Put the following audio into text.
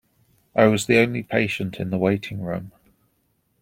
I was the only patient in the waiting room.